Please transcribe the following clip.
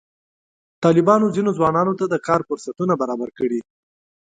طالبانو ځینو ځوانانو ته د کار فرصتونه برابر کړي.